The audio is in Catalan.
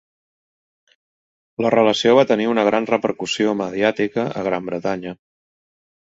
La relació va tenir una gran repercussió mediàtica a Gran Bretanya.